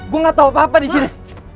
gue gak tau apa apa disini